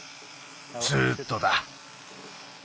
すっとだ。